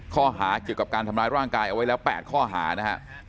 ข้อหาเกี่ยวกับการทำร้ายร่างกายเอาไว้แล้ว๘ข้อหานะครับ